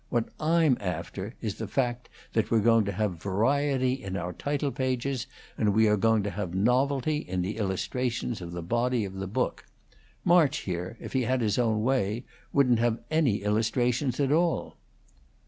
What I'm after is the fact that we're going to have variety in our title pages, and we are going to have novelty in the illustrations of the body of the book. March, here, if he had his own way, wouldn't have any illustrations at all."